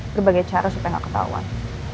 berbagai cara supaya nggak ketahuan